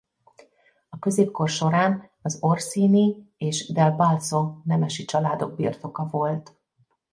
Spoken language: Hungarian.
A középkor során az Orsini és Del Balzo nemesi családok birtoka volt.